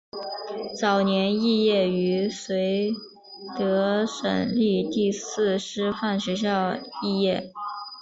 早年肄业于绥德省立第四师范学校肄业。